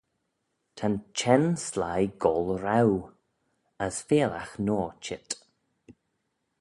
Ta'n çhenn sleih goll roue, as feallagh noa çheet.